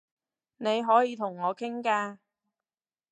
你可以同我傾㗎